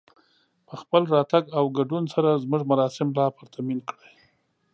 په خپل راتګ او ګډون سره زموږ مراسم لا پرتمين کړئ